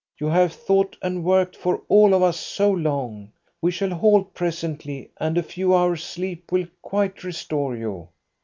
You have thought and worked for all of us so long. We shall halt presently, and a few hours' sleep will quite restore you."